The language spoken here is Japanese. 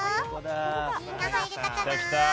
みんな入れたかな？